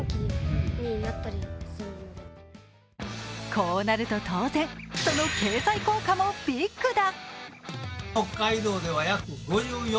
こうなると当然、その経済効果もビッグだ。